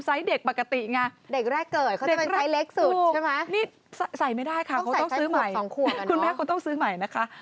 ต้องใส่ไซส์สองขวดก่อนเนอะคุณแม่เขาต้องซื้อใหม่นะคะ